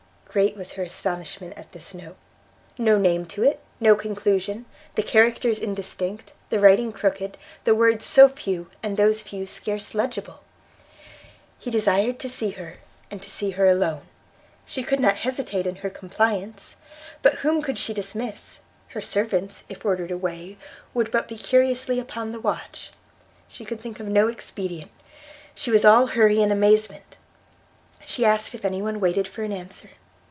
Great was her astonishment at this note! no name to it, no conclusion, the characters indistinct, the writing crooked, the words so few, and those few scarce legible! He desired to see her, and to see her alone; she could not hesitate in her compliance, but whom could she dismiss? her servants, if ordered away, would but be curiously upon the watch, she could think of no expedient, she was all hurry and amazement. She asked if any one waited for an answer?